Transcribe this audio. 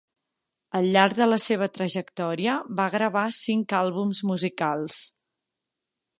Al llarg de la seva trajectòria va gravar cinc àlbums musicals.